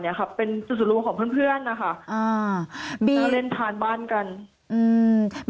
เนี้ยครับเป็นจุดส่วนรวมของเพื่อนเพื่อนนะคะอ่าบีแล้วเล่นทานบ้านกันอืม